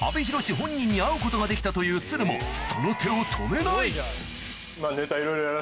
本人に会うことができたという都留もその手を止めない聞いたら。